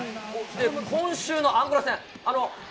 今週のアンゴラ戦。